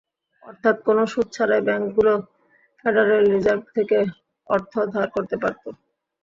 অর্থাৎ, কোনো সুদ ছাড়াই ব্যাংকগুলো ফেডারেল রিজার্ভ থেকে অর্থ ধার করতে পারত।